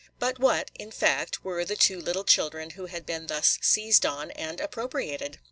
But what, in fact, were the two little children who had been thus seized on and appropriated?